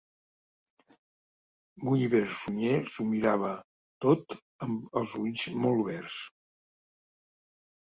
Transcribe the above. Gulliver Sunyer s'ho mirava tot amb els ulls molt oberts.